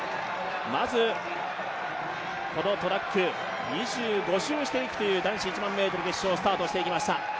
まず、このトラック２５周していくという男子１００００ｍ決勝、スタートしていきました。